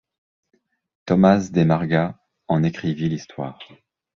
Thomas de Marga en écrivit l'histoire.